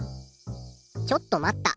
ちょっと待った！